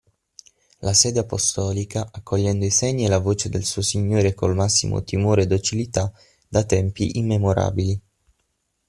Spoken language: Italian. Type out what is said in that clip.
La Sede Apostolica, accogliendo i segni e la voce del suo Signore col massimo timore e docilità, da tempi immemorabili.